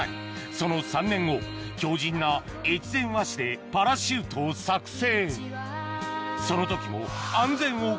その３年後強靱な越前和紙でパラシュートを作成